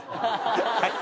はい。